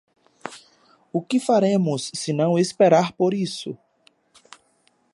O que faremos senão esperar por isso?